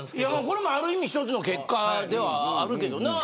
これもある意味一つの結果ではあるけどな。